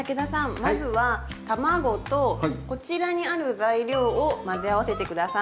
まずは卵とこちらにある材料を混ぜ合わせて下さい。